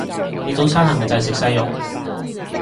你早餐係咪就係食細蓉？